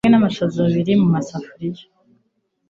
Kimwe namashaza abiri mumasafuriya